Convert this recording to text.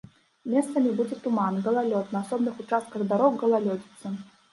Месцамі будзе туман, галалёд, на асобных участках дарог галалёдзіца.